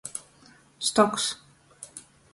Stoks.